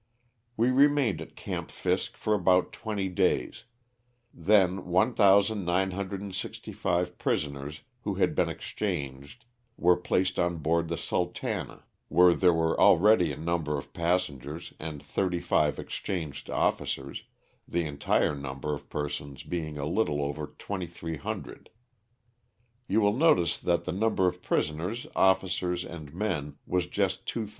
We remained at "Camp Fisk" for about twenty days, then 1,965 prisoners who had been exchanged were placed on board the*' Sultana," where there were already a number of passengers and thirty five exchanged officers, the entire number of persons being a little over 2,300. You will notice that the number of prisoners, officers, and men was just 2,000.